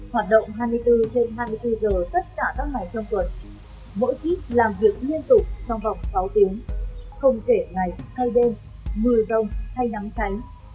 hoạt động hai mươi bốn trên hai mươi bốn giờ tất cả các ngày trong tuần mỗi kíp làm việc liên tục trong vòng sáu tiếng không kể ngày hay đêm mưa rông hay nắng tránh